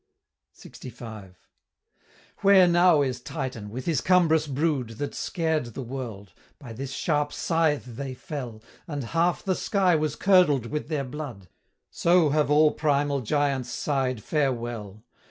LXV. "Where now is Titan, with his cumbrous brood, That scared the world? By this sharp scythe they fell, And half the sky was curdled with their blood: So have all primal giants sigh'd farewell.